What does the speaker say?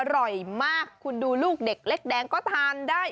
อร่อยมากคุณดูลูกเด็กเล็กแดงก็ทานได้